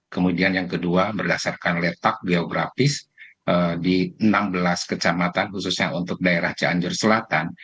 kemudian yang kedua berdasarkan letak geografis di enam belas kecamatan khususnya untuk daerah cianjur selatan